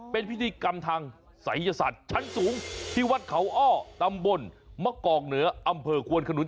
เป็นพิธีกรรมทางศัยศาสตร์ชั้นสูงที่วัดเขาอ้อตำบลมะกอกเหนืออำเภอควนขนุน